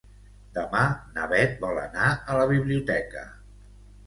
Demà na Bet vol anar a la biblioteca.